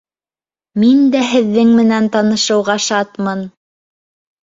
Мин дә һеҙҙең менән танышыуға шатмын.